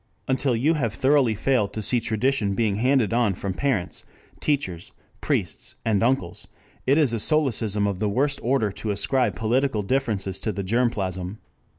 Until you have thoroughly failed to see tradition being handed on from parents, teachers, priests, and uncles, it is a solecism of the worst order to ascribe political differences to the germ plasm.